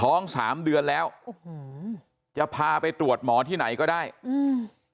สามเดือนแล้วอื้อหือจะพาไปตรวจหมอที่ไหนก็ได้อืม